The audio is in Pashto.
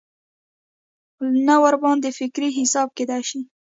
نه ورباندې فکري حساب کېدای شي.